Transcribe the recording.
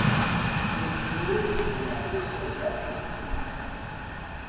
Il faisait chaud, et un beau soleil dardait ses rayons sur l’île